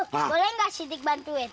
mas polo boleh gak siddiq bantuin